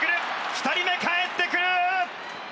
２人目かえってくる。